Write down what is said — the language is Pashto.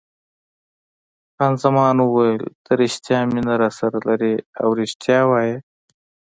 خان زمان وویل: ته رښتیا مینه راسره لرې او رښتیا وایه.